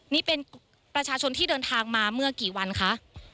นี่เป็นประชาชนที่เดินทางมาเมื่อกี่วันคะ